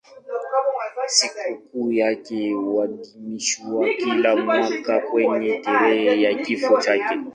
Sikukuu yake huadhimishwa kila mwaka kwenye tarehe ya kifo chake.